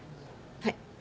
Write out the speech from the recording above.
はい。